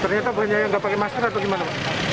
ternyata banyak yang enggak pakai masker atau gimana